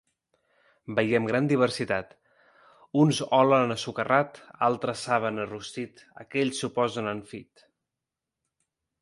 Veiem gran diversitat: uns olen a socarrat, altres saben a rostit, aquells suposen enfit.